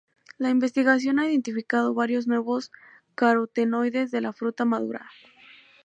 La investigación ha identificado varios nuevos carotenoides de la fruta madura.